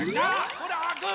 ほらあく！